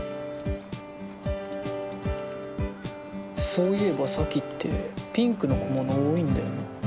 そういば咲ってピンクの小物多いんだよな。